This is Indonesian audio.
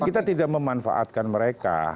kita tidak memanfaatkan mereka